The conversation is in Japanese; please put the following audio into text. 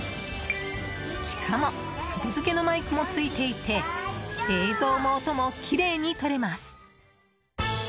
しかも外付けのマイクもついていて映像も音もきれいに撮れます！